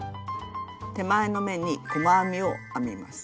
手前の目に細編みを編みます。